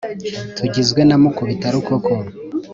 tugizwe na mukubita rukoko